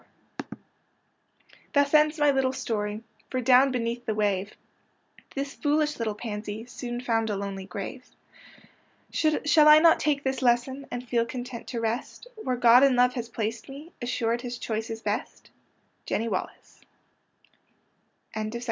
84 PANSY AISTD FORGET ME NOT Thus ends my little story; For, down beneath the wave, This foolish little pansy Soon found a lonely grave. Shall I not take this lesson, And feel content to rest Where God in love has placed me, Assured his choice is best?